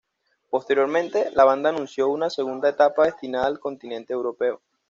Posteriormente, la banda anunció una segunda etapa destinada al continente europeo.